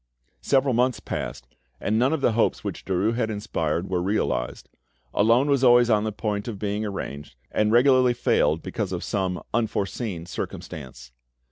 Several months passed, and none of the hopes which Derues had inspired were realised; a loan was always on the point of being arranged, and regularly failed because of some unforeseen circumstance.